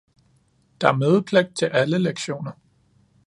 Der er mødepligt til alle lektioner